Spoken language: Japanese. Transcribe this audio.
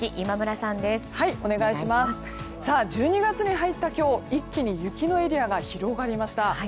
さあ、１２月に入った今日一気に雪のエリアが広がりました。